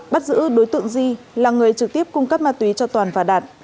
bắt giữ đối tượng di là người trực tiếp cung cấp ma túy cho toàn và đạt